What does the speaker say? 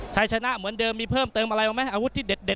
ชัยชนะเหมือนเดิมมีเพิ่มเติมอะไรบ้างไหมอาวุธที่เด็ด